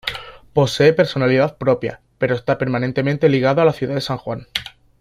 Posee personalidad propia pero está permanentemente ligado a la ciudad de San Juan.